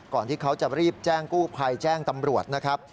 ที่เขาจะรีบแจ้งกู้ภัยแจ้งตำรวจนะครับ